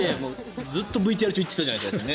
ずっとＶＴＲ中言っていたじゃないですか。